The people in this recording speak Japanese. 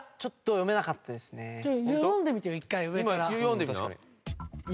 読んでみてよ